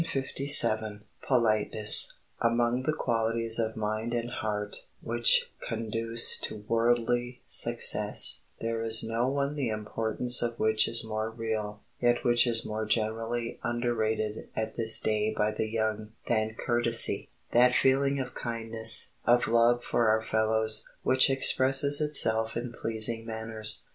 [Illustration: POLITENESS.] Among the qualities of mind and heart which conduce to worldly success, there is no one the importance of which is more real, yet which is more generally underrated at this day by the young, than courtesy—that feeling of kindness, of love for our fellows, which expresses itself in pleasing manners.